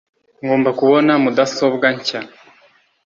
Ngomba kubona mudasobwa nshya. (Swift)